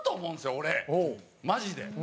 俺マジで。